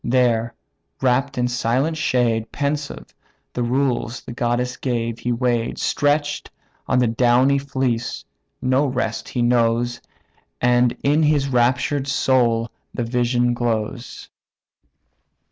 There, wrapped in silent shade, Pensive, the rules the goddess gave he weigh'd; Stretch'd on the downy fleece, no rest he knows, And in his raptured soul the vision glows.